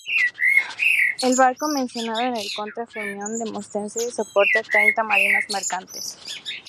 El barco mencionado en el "Contra Formión" de Demóstenes transporta treinta marinos mercantes.